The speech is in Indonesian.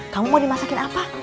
kamu mau dimasakin apa